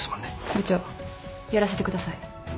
部長やらせてください。